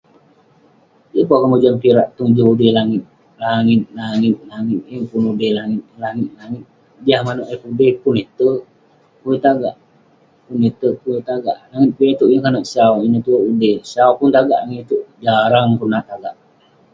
Yeng pun akouk mojam kirak tong joh udey langit. Langit langit langit, yeng pun udey langit. langit langit. jah manouk eh pudey, pun eh terk, pun eh tagak. Pun eh terk, pun eh tagak. langit piak itouk yeng konak sau, ineh tue udey. Sau pun eh tagak, langit itouk jarang kok nat tagak.